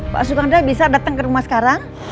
pak sukandra bisa datang ke rumah sekarang